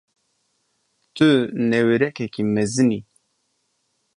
Tu newêrekekî mezin î.